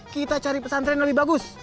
kita cari pesantren lebih bagus